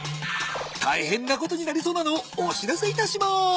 たいへんなことになりそうなのをお知らせいたします。